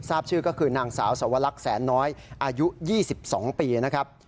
ทราบชื่อก็คือนางสาวสวรรคแสนน้อยอายุ๒๒ปีนะครับ